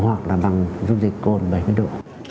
hoặc là bằng dung dịch cồn bảy mươi độ